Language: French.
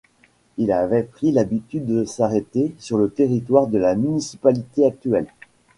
Ils avaient pris l'habitude de s'arrêter sur le territoire de la municipalité actuelle.